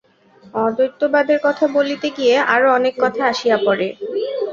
অদ্বৈতবাদের কথা বলিতে গিয়া আরও অনেক কথা আসিয়া পড়ে।